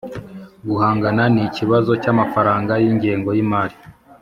guhangana n'ikibazo cy'amafaranga y'ingengo y'imari